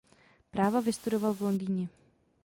Práva vystudoval v Londýně.